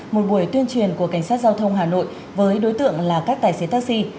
một buổi tuyên truyền của cảnh sát giao thông hà nội với đối tượng là các tài xế taxi